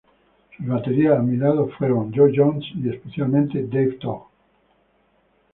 Sus baterías admirados fueron Jo Jones y, especialmente, Dave Tough.